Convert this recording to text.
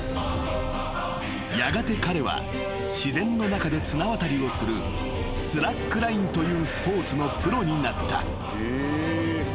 ［やがて彼は自然の中で綱渡りをするスラックラインというスポーツのプロになった］